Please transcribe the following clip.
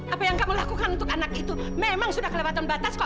apa yang kamu lakukan untuk anak itu memang sudah kelewatan batas kok